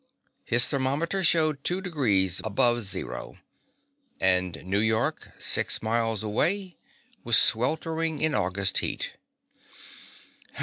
His thermometer showed two degrees above zero and New York, six miles away, was sweltering in August heat!